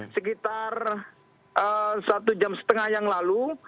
sekitar satu jam setengah yang lalu